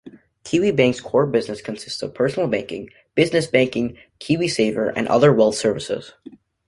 Kiwibank's core business consists of personal banking, business banking, KiwiSaver and other wealth services.